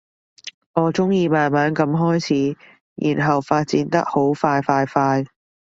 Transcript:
我鍾意慢慢噉開始，然後發展得好快快快